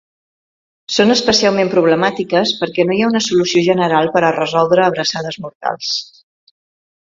Són especialment problemàtiques perquè no hi ha una solució general per a resoldre abraçades mortals.